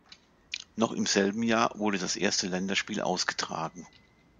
Noch im selben Jahr wurde das erste Länderspiel ausgetragen.